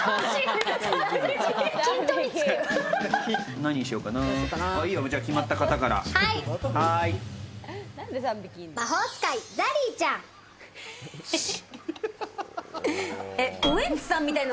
何にしようかな？